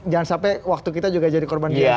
jangan sampai waktu kita juga jadi korban jiwa